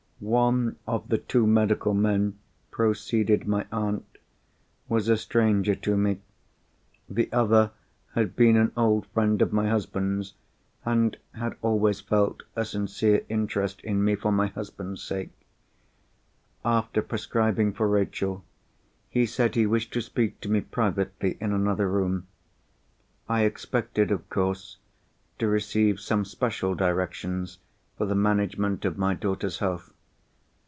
"One of the two medical men," proceeded my aunt, "was a stranger to me. The other had been an old friend of my husband's, and had always felt a sincere interest in me for my husband's sake. After prescribing for Rachel, he said he wished to speak to me privately in another room. I expected, of course, to receive some special directions for the management of my daughter's health.